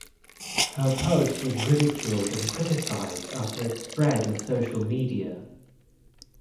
Her post was ridiculed and criticized after it spread on social media.